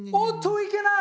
いけない！